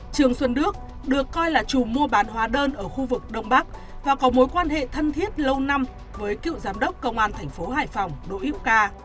trường xuân đức được coi là chủ mua bán hóa đơn ở khu vực đông bắc và có mối quan hệ thân thiết lâu năm với cựu giám đốc công an thành phố hải phòng đỗ hữu ca